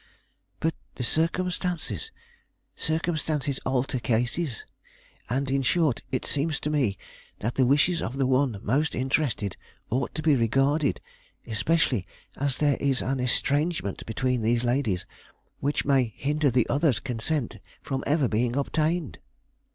"But the circumstances? Circumstances alter cases; and in short, it seems to me that the wishes of the one most interested ought to be regarded, especially as there is an estrangement between these ladies which may hinder the other's consent from ever being obtained."